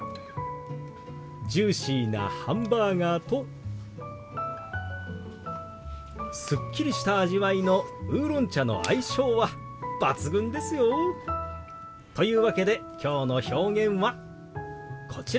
ジューシーなハンバーガーとすっきりした味わいのウーロン茶の相性は抜群ですよ。というわけできょうの表現はこちら。